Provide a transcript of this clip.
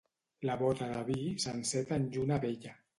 La bota de vi s'enceta en lluna vella.